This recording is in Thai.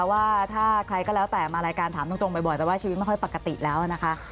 ว่าถ้าใครก็แล้วแต่มารายการถามตรงบ่อยแต่ว่าชีวิตไม่ค่อยปกติแล้วนะคะ